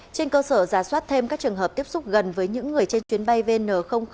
trên cơ sở giả soát thêm các trường hợp tiếp xúc gần với những người trên chuyến bay vn năm